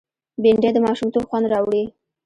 بېنډۍ د ماشومتوب خوند راوړي